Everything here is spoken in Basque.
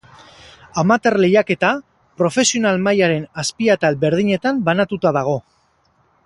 Amateur lehiaketa profesional mailaren azpi-atal berdinetan banatuta dago.